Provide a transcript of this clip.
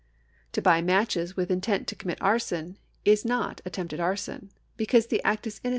To buy matches with intent to com mit arson is not attempted arson, because the act is innocent 1 Art.